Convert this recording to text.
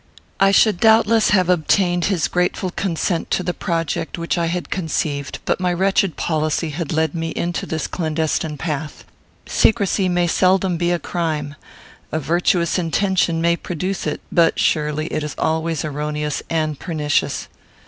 I should doubtless have obtained his grateful consent to the project which I had conceived; but my wretched policy had led me into this clandestine path. Secrecy may seldom be a crime. A virtuous intention may produce it; but surely it is always erroneous and pernicious.